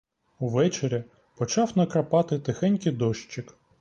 Увечері почав накрапати тихенький дощик.